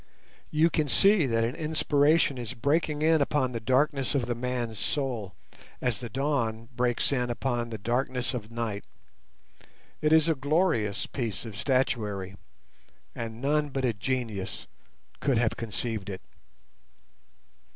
You can see that an inspiration is breaking in upon the darkness of the man's soul as the dawn breaks in upon the darkness of night. It is a glorious piece of statuary, and none but a genius could have conceived it.